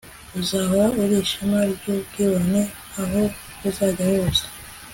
uzahora uri ishema ryubwibone, aho uzajya hose